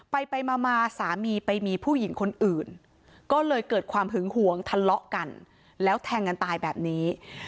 ไปไปมามาสามีไปมีผู้หญิงคนอื่นก็เลยเกิดความหึงหวงทะเลาะกันแล้วแทงกันตายแบบนี้